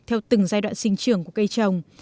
theo từng giai đoạn sinh trường của cây trồng